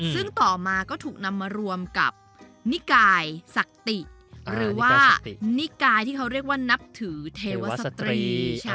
ซึ่งต่อมาก็ถูกนำมารวมกับนิกายศักติหรือว่านิกายที่เขาเรียกว่านับถือเทวสตรี